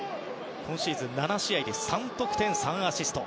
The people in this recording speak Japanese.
今シーズン７試合で３得点３アシスト。